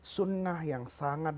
sunnah yang sangat